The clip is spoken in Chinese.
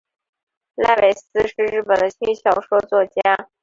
濑尾司是日本的轻小说作家。